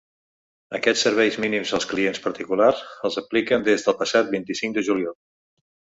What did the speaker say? Aquests serveis mínims als clients particulars els apliquen des del passat vint-i-cinc de juliol.